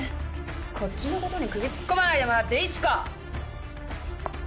こっちのことに首突っ込まないでもらっていいっすか？